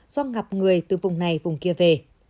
do ngập người từ vùng này vùng kia về